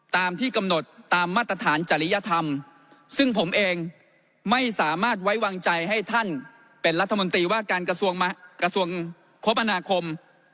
ตามที่กำหนดตามมาตรฐานจริยธรรม